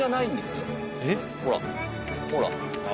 ほらほら。